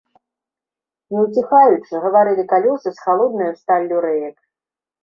Не ўціхаючы, гаварылі калёсы з халоднаю сталлю рэек.